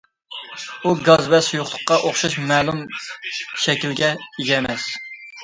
ئۇ گاز ۋە سۇيۇقلۇققا ئوخشاش مەلۇم شەكىلگە ئىگە ئەمەس.